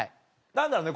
何だろうね